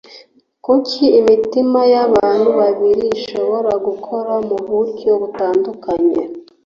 kuki imitimanama y abantu babiri ishobora gukora mu buryo butandukanye